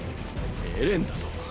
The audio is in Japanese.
エレンだと？